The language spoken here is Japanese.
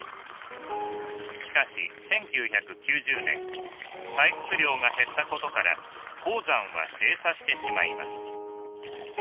しかし１９９０年採掘量が減ったことから鉱山は閉鎖してしまいます。